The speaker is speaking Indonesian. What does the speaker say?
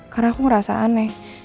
karena aku ngerasa aneh